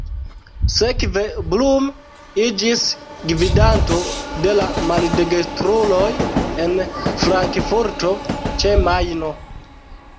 Sekve Blum iĝis gvidanto de la maldekstruloj en Frankfurto ĉe Majno.